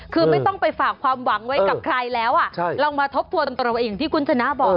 คือไม่ต้องไปฝากความหวังไว้กับใครแล้วลองมาทบทวนตรงอย่างที่คุณชนะบอก